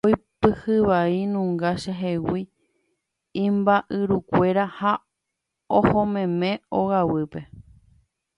Oipyhy vai nunga chehegui imba'yrukuéra ha ohomeme ogaguýpe.